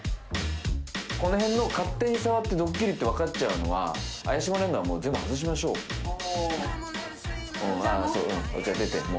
この辺のを勝手に触ってドッキリって分かっちゃうのは怪しまれるのは全部外しましょうお茶も？